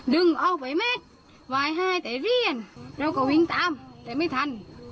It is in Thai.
ดึงออกไปเมตรวาย๒๓เส้นเรียนเราก็วิ่งตามแต่ไม่ทัน